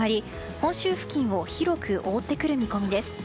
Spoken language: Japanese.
本州付近を広く覆ってくる見込みです。